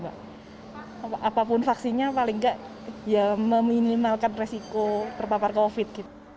apapun vaksinnya paling nggak ya meminimalkan resiko terpapar covid